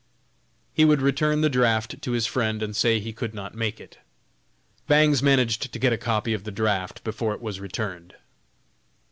He would return the draft to his friend and say he could not make it. Bangs managed to get a copy of the draft before it was returned.